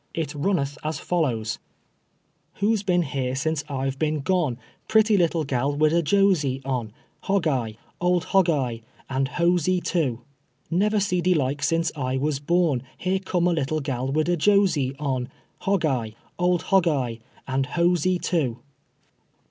It ruunL'th as follows :" Who's been he re since I've been gone ] Pretty liltlfgal wid a josey on. Hog Eve ! Old li'og Eye, And llosey too ! Never see de like since I was bom, Here eonu; a little gal wid a josey on. Ilog Eve ! Old Hug Eye! And Ilusey too!"